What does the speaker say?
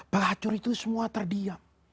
pelacur itu semua terdiam